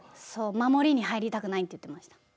そう守りに入りたくないって言ってました。